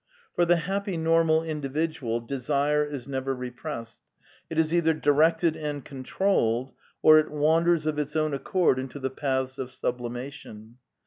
Por the happy normal individual, desire is never repressed; it is either directed and con trolled, or it wanders of its own accord into the paths of sublimation.